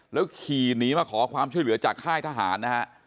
แล้วขี่หนีมาขอความช่วยเหลือจากค่ายทหารนะฮะ